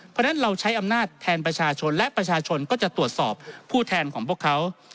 เพราะฉะนั้นเราใช้อำนาจแทนประชาชนและประชาชนก็จะตรวจสอบผู้แทนของพวกเขา